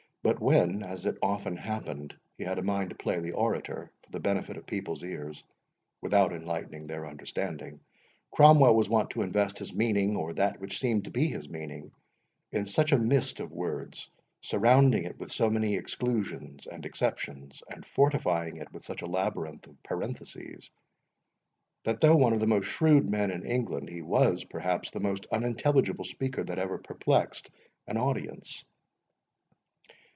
But when, as it often happened, he had a mind to play the orator, for the benefit of people's ears, without enlightening their understanding, Cromwell was wont to invest his meaning, or that which seemed to be his meaning, in such a mist of words, surrounding it with so many exclusions and exceptions, and fortifying it with such a labyrinth of parentheses, that though one of the most shrewd men in England, he was, perhaps, the most unintelligible speaker that ever perplexed an audience.